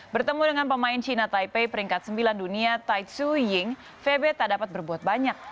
bertemu dengan pemain cina taipei peringkat sembilan dunia tai tsu ying febe tak dapat berbuat banyak